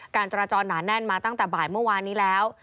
การจราจรหนาแน่นมาตั้งแต่บ่ายเมื่อวานนี้แล้ว